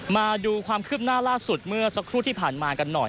มาดูความคืบหน้าล่าสุดเมื่อสักครู่ที่ผ่านมากันหน่อย